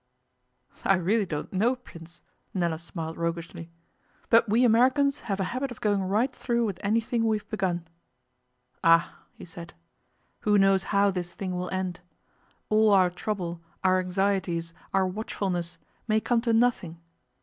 'I really don't know, Prince,' Nella smiled roguishly. 'But we Americans have, a habit of going right through with anything we have begun.' 'Ah!' he said, 'who knows how this thing will end? All our trouble, our anxieties, our watchfulness, may come to nothing.